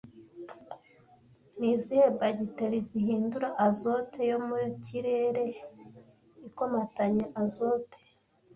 Ni izihe bagiteri zihindura azote yo mu kirere ikomatanya azote